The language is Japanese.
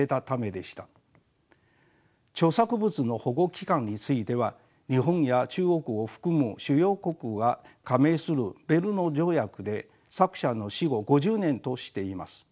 著作物の保護期間については日本や中国を含む主要国が加盟するベルヌ条約で作者の死後５０年としています。